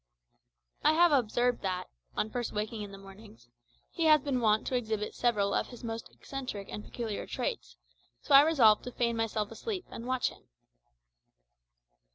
I have observed that, on first awaking in the mornings, he has been wont to exhibit several of his most eccentric and peculiar traits, so I resolved to feign myself asleep and watch him.